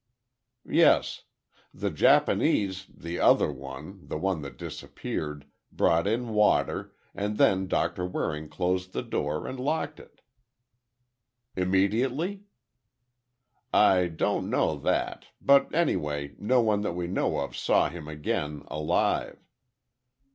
"Yes; the Japanese, the other one, the one that disappeared, brought in water, and then Doctor Waring closed the door and locked it." "Immediately?" "I don't know that, but anyway, no one that we know of saw him again alive.